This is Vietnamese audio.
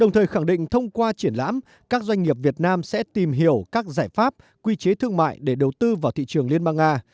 triển lãm các doanh nghiệp việt nam sẽ tìm hiểu các giải pháp quy chế thương mại để đầu tư vào thị trường liên bang nga